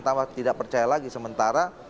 tidak percaya lagi sementara